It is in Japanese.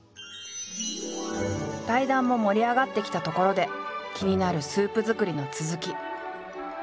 対談も盛り上がってきたところで気になるスープ作りの続き。